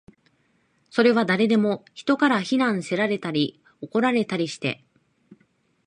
それは誰でも、人から非難せられたり、怒られたりして